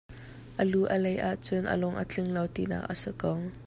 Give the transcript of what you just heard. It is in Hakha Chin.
A lu a lei ahcun a lung a tling lo ti nak a si ko.